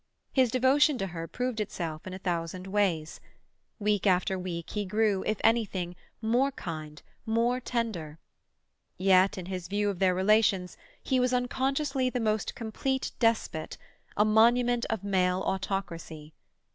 His devotion to her proved itself in a thousand ways; week after week he grew, if anything, more kind, more tender; yet in his view of their relations he was unconsciously the most complete despot, a monument of male autocracy.